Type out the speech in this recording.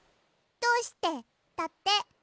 「どうして？」だって。